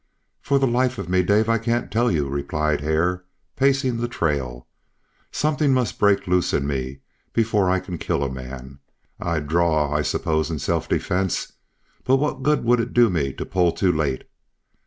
"For the life of me, Dave, I can't tell you," replied Hare, pacing the trail. "Something must break loose in me before I can kill a man. I'd draw, I suppose, in self defence. But what good would it do me to pull too late?